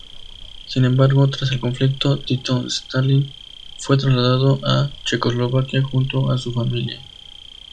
Sin embargo, tras el conflicto Tito-Stalin fue trasladado a Checoslovaquia junto a su familia.